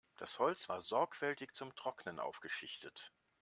Das Holz war sorgfältig zum Trocknen aufgeschichtet.